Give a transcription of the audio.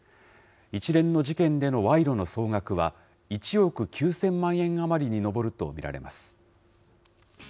一連の事件でのわいろの総額は、１億９０００万円余りに上ると見られます。